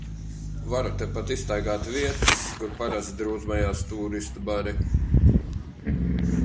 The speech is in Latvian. Varu tepat izstaigāt vietas, kur parasti drūzmējās tūristu bari.